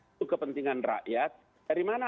itu kepentingan rakyat dari mana